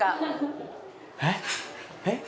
えっ？えっ？